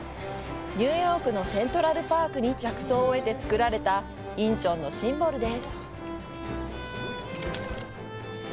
ニューヨークのセントラルパークに着想を得て造られた仁川のシンボルです。